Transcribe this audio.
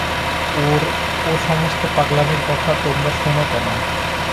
ওর ও-সমস্ত পাগলামির কথা তোমরা শোন কেন?